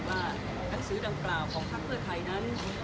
หนังสือดังกล่าวของพักเพื่อไทยนั้น